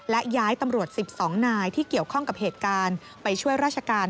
และย้ายตำรวจ๑๒นายที่เกี่ยวข้องกับเหตุการณ์ไปช่วยราชการ